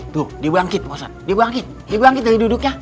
tuh dibangkit pak ustadz dibangkit dibangkit dari duduknya